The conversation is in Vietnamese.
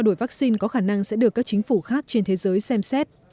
đổi vaccine có khả năng sẽ được các chính phủ khác trên thế giới xem xét